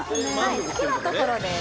好きなところです